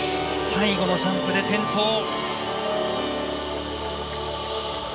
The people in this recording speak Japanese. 最後のジャンプで転倒。